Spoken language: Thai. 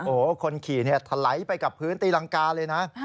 โอ้คนขี่เนี่ยทะไหลไปกับพื้นตีรังกาเลยนะ